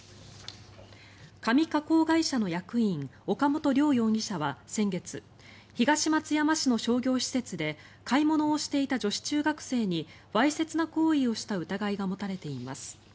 紙加工会社の役員岡本陵容疑者は先月、東松山市の商業施設で買い物をしていた女子中学生にわいせつな行為をした疑いがもたれています。